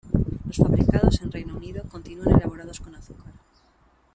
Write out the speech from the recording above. Los fabricados en Reino Unido continúan elaborados con azúcar.